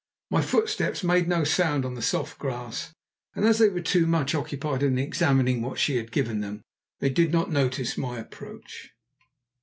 My footsteps made no sound on the soft grass, and as they were too much occupied in examining what she had given them, they did not notice my approach.